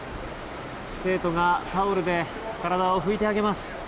生徒がタオルで体を拭いてあげます。